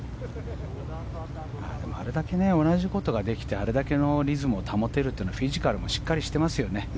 あれだけ同じことができてあれだけのリズムが保てるのはフィジカルもしっかりしてますよね。